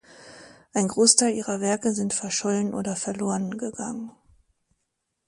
Ein Großteil ihrer Werke sind verschollen oder verloren gegangen.